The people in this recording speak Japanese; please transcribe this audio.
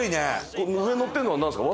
これ上にのってるのはなんですか？